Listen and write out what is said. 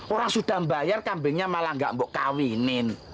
orang sudah membayar kambingnya malah gak mbok kawinin